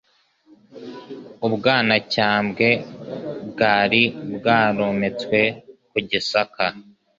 U Bwanacyambwe bwari bwarometswe ku Gisaka